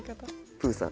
プーさん。